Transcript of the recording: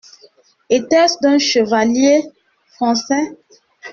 Etait-ce d’un chevalier français ?